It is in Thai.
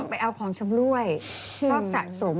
ไปเอาของชำรวยชอบสะสม